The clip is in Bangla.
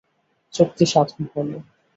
চুক্তি সাধন হলো।